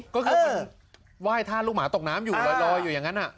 ก็คือมันว่ายท่านลูกหมาตกน้ำอยู่อย่างนั้น